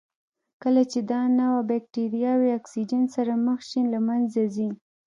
کله چې دا نوعه بکټریاوې اکسیجن سره مخ شي له منځه ځي.